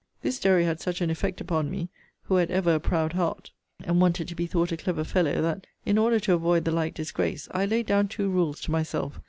This story had such an effect upon me, who had ever a proud heart, and wanted to be thought a clever fellow, that, in order to avoid the like disgrace, I laid down two rules to myself.